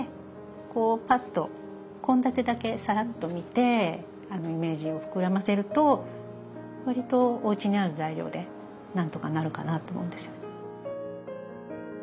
こうパッと献立だけさらっと見てイメージを膨らませると割とおうちにある材料でなんとかなるかなと思うんですよね。